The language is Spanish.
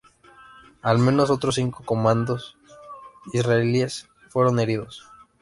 Al menos otros cinco comandos israelíes fueron heridos.